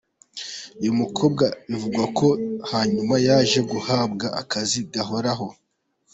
Uyu mukobwa bivugwa ko hanyuma yaje guhabwa akazi gahoraho.